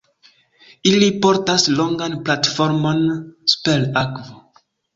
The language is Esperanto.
Ili portas longan platformon, super akvo.